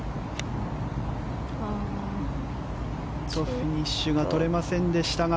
フィニッシュがとれませんでしたが。